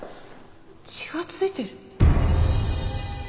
血が付いてる？